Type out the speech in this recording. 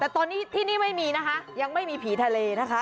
แต่ยังไม่มีผีทะเล